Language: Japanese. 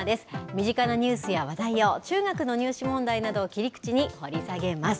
身近なニュースや話題を、中学の入試問題などを切り口に掘り下げます。